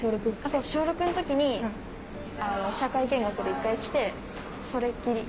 そう小６の時に社会見学で１回来てそれっきり。